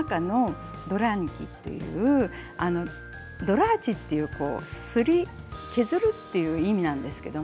その中のドラーニキというドラーチェというのは削るという意味なんです。